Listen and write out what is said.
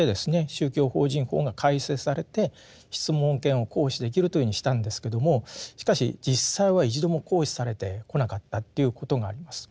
宗教法人法が改正されて質問権を行使できるというふうにしたんですけどもしかし実際は一度も行使されてこなかったということがあります。